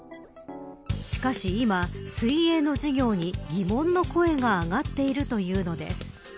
しかし今、水泳の授業に疑問の声が上がっているというのです。